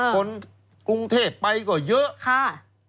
คนกรุงเทพไปก็เยอะค่ะ